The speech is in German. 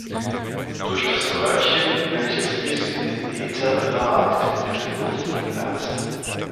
Durch das Röhrchen, welches bis in den Äther ragt, wird Luft geblasen.